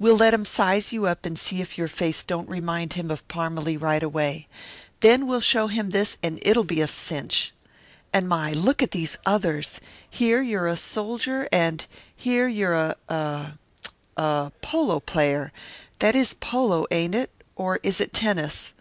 We'll let him size you up and see if your face don't remind him of Parmalee right away. Then we'll show him this and it'll be a cinch. And my, look at these others here you're a soldier, and here you're a a a polo player that is polo, ain't it, or is it tennis?